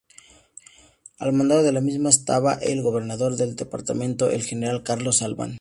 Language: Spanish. Al mando de la misma estaba el gobernador del departamento, el general Carlos Albán.